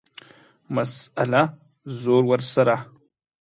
مسئله ، زور ورسره.